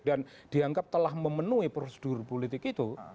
dan dianggap telah memenuhi prosedur politik itu